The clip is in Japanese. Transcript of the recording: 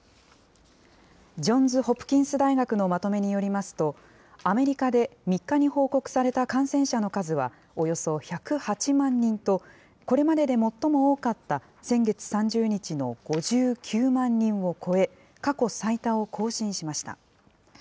ジョンズ・ホプキンス大学のまとめによりますと、アメリカで３日に報告された感染者の数は、およそ１０８万人と、これまでで最も多かった先月３０日の５９万人を超え、過去最多を更新しました。